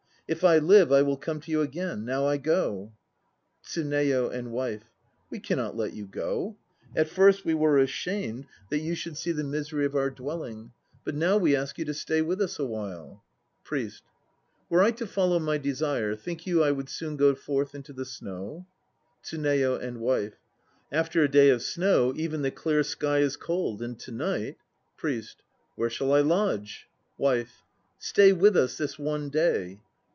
If I live, I will come to you again. Now I go. TSUNEYO and WIFE. We cannot let you go. At first we were ashamed that you should 1 1. e. Tokiyori. 108 THE NO PLAYS OF JAPAN see the misery of our dwelling; but now we ask you to stay with us awhile. PRIEST. Were I to follow my desire, think you I would soon go forth into the snow? TSUNEYO and WIFE. After a day of snow even the clear sky is cold, and to night PRIEST. Where shall I lodge? WIFE. Stay with us this one day.